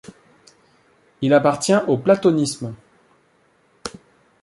Il appartient au platonisme.